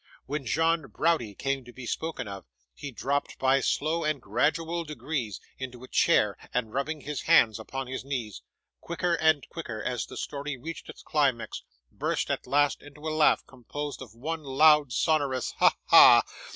When John Browdie came to be spoken of, he dropped, by slow and gradual degrees, into a chair, and rubbing his hands upon his knees quicker and quicker as the story reached its climax burst, at last, into a laugh composed of one loud sonorous 'Ha! ha!